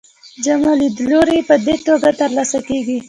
جامع لیدلوری په دې توګه ترلاسه کیږي.